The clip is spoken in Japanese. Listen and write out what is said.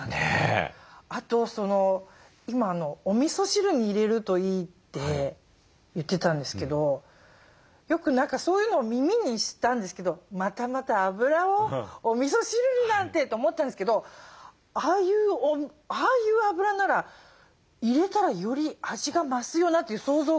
あとおみそ汁に入れるといいって言ってたんですけどよくそういうのを耳にしたんですけどまたまたあぶらをおみそ汁になんてと思ったんですけどああいうあぶらなら入れたらより味が増すよなという想像がつきます。